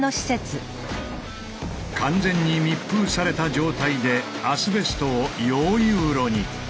完全に密封された状態でアスベストを溶融炉に。